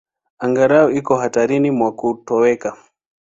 Angalau iko hatarini mwa kutoweka.